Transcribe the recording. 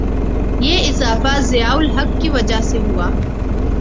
یہ اضافہ ضیاء الحق کی وجہ سے ہوا؟